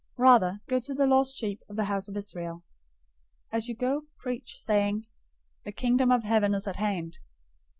010:006 Rather, go to the lost sheep of the house of Israel. 010:007 As you go, preach, saying, 'The Kingdom of Heaven is at hand!'